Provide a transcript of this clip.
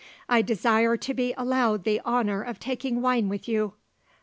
I desire to be allowed the honour of taking wine with you."